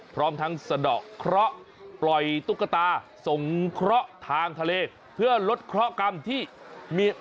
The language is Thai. พร้อมทั้งสะดอกเคราะห์ปล่อยตุ๊กตาส่งเคราะห์ทางทะเลเพื่อลดเคราะหกรรมที่มี